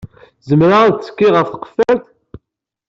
Zemreɣ ad tekkiɣ ɣef tqeffalt?